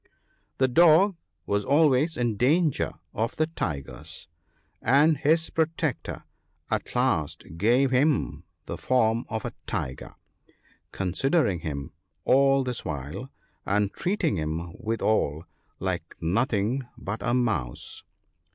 The dog was always in danger of the tigers, and his protector at last gave him the form of a tiger — considering him all this while, and treating him withal, like nothing but a mouse.